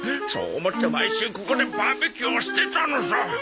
そう思って毎週ここでバーベキューをしてたのさ。